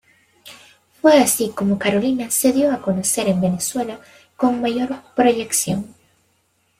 Fue así como Carolina se dio a conocer en Venezuela con mayor proyección.